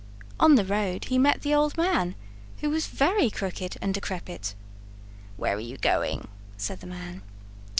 On the road he met the old man, who was very crooked and decrepit. "Where are you going?" said the man.